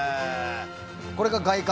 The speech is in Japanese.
これが外観？